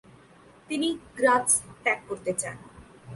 তিনি গ্রাৎস ত্যাগ করতে চান।